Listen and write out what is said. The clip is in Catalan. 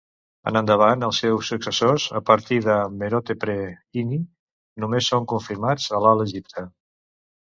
En endavant els seus successors, a partir de Merhotepre Ini, només són confirmats al Alt Egipte.